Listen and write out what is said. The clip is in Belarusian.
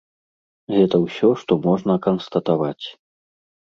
Гэта ўсё, што можна канстатаваць.